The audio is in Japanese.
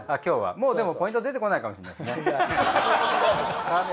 もうでもポイント出てこないかもしれないですね。